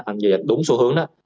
anh giao dịch đúng xu hướng đó